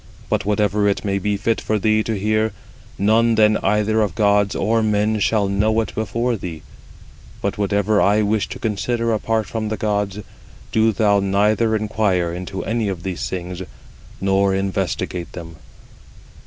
But whatever it may be fit for thee to hear, none then either of gods or men shall know it before thee: but whatever I wish to consider apart from the gods, do thou neither inquire into any of these things, nor investigate them."